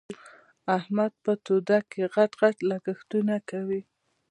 احمد په توده کې؛ غټ غټ لګښتونه کوي.